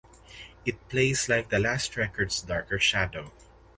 It plays like the last record’s darker shadow.